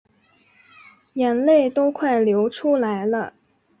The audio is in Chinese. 眼泪都快流出来了